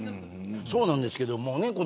そうなんですけどね